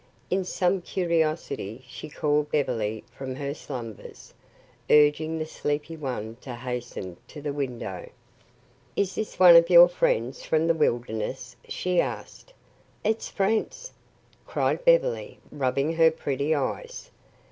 In some curiosity, she called Beverly from her slumbers, urging the sleepy one to hasten to the window. "Is this one of your friends from the wilderness?" she asked. "It's Franz!" cried Beverly, rubbing her pretty eyes.